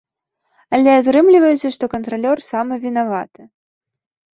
Але атрымліваецца, што кантралёр самы вінаваты!